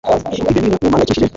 ibyo ni bimwe mu mpangayikishije